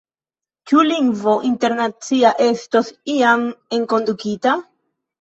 Ĉu lingvo internacia estos iam enkondukita?